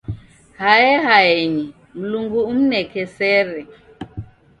Hae haenyi, Mlungu umneke sere.